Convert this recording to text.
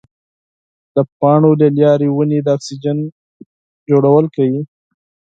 د پاڼو له لارې ونې د اکسیجن تولید کوي.